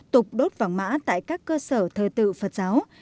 tục đốt vàng mã tại các cơ sở thờ tự phật giáo